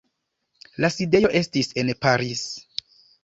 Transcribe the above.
La sidejo estis en Paris.